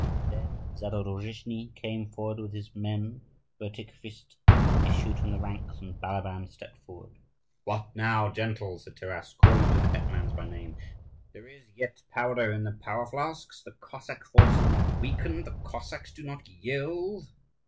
Then Zadorozhniy came forward with his men, Vertikhvist issued from the ranks, and Balaban stepped forth. "What now, gentles?" said Taras, calling to the hetmans by name: "there is yet powder in the powder flasks? The Cossack force is not weakened? the Cossacks do not yield?"